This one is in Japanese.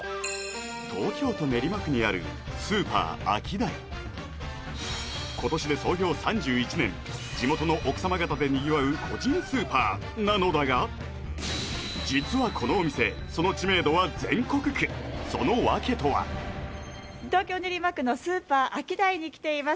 東京都練馬区にあるスーパーアキダイ今年で創業３１年地元の奥様方でにぎわう個人スーパーなのだが実はこのお店そのそのわけとは東京練馬区のスーパーアキダイに来ています